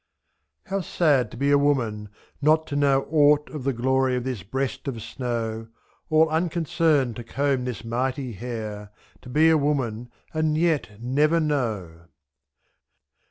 45 How sad to be a woman — not to know Aught of the glory of this breast of snow^ %%, All unconcerned to comb this mighty hair; To be a woman and yet never know!